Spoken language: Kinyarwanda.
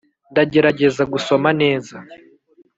ndagerageza gusoma neza